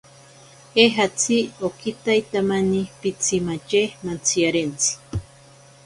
Eejatzi okitaitamani pitsimatye mantsiyarentsi.